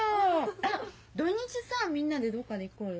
あっ土日さみんなでどっかで行こうよ。